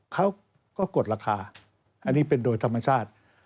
เขาก็กดราคาอันนี้เป็นโดยธรรมชาติ